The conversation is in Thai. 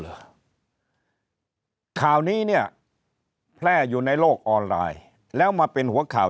เหรอข่าวนี้เนี่ยแพร่อยู่ในโลกออนไลน์แล้วมาเป็นหัวข่าว